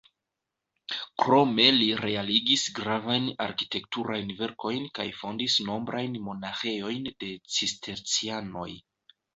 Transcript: Krome li realigis gravajn arkitekturajn verkojn kaj fondis nombrajn monaĥejojn de Cistercianoj.